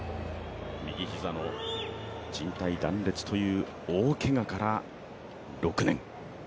右膝のじん帯断裂という大けがから６年。